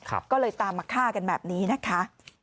ก็เลยตามมาฆ่ากันแบบนี้นะคะ